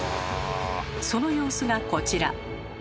その様子がこちら。